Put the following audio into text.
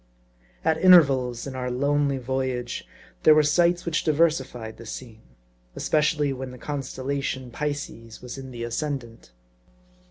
AT intervals in our lonely voyage, there were sights which diversified the scene ; especially when the constellation Pisces was in the ascendant.